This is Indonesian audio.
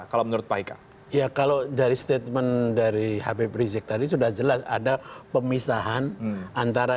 kalau menurut baik ya kalau dari statement dari hp berizik tadi sudah jelas ada pemisahan antara